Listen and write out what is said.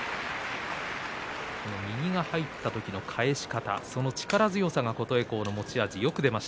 右が入った時の返し方その力強さが琴恵光の持ち味です。